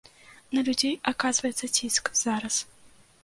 На людзей аказваецца ціск зараз.